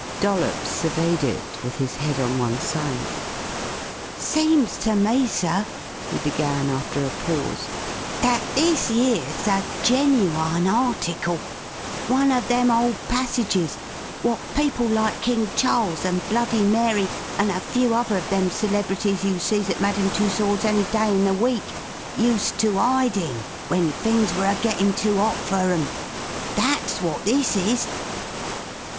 Dollops surveyed it with his head on one side. "Seems ter me, sir," he began, after a pause, "that this yere's the genuyne article. One of them old passages what people like King Charles and Bloody Mary an' a few other of them celebrities you sees at Madame Tussord's any day in the week, used to 'ide in when things were a gettin' too 'ot fer 'em. That's what this is."